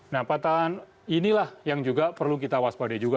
nah patahan inilah yang juga perlu kita waspadai juga